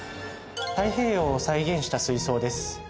太平洋を再現した水槽です